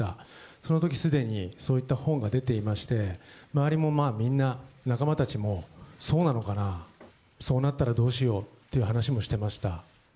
そのときすでに、そういった本が出ていまして、周りもみんな、仲間たちも、そうなのかなぁ、そうなったらどうしようっていう話もしてました。